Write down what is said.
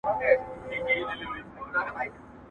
o چي اوبو ته وايي پاڼي، سر ئې لاندي که تر کاڼي.